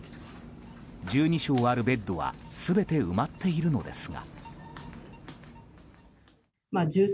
１２床あるベッドは全て埋まっているのですが。